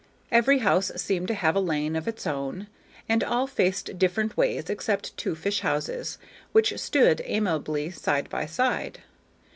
Every house seemed to have a lane of its own, and all faced different ways except two fish houses, which stood amiably side by side.